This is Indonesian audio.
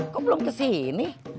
kok belum kesini